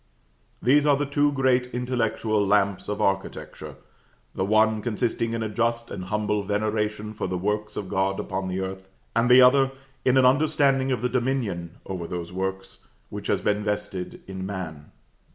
These are the two great intellectual Lamps of Architecture; the one consisting in a just and humble veneration for the works of God upon the earth, and the other in an understanding of the dominion over those works which has been vested in man.